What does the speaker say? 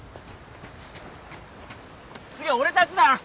次俺たちだよ！